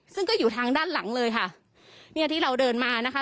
ซึ่งก็อยู่ทางด้านหลังเลยค่ะเนี่ยที่เราเดินมานะคะ